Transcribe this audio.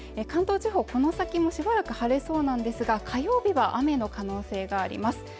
関東地方この先もしばらく晴れそうなんですが火曜日は雨の可能性があります